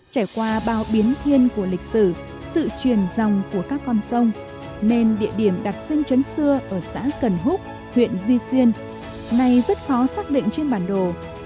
trải qua bao biến thiên của lịch sử sự truyền dòng của các con sông nên địa điểm đặc sinh chấn xưa ở xã cần húc huyện duy xuyên nay rất khó xác định trên bản đồ